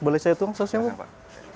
boleh saya tukang sausnya bapak